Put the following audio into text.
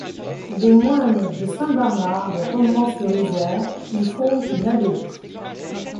Des moines de Saint-Barnard de Romans-sur-Isère y fondent une abbaye.